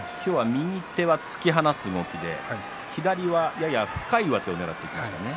右では突き放す動きに左がやや深い上手をねらってきました。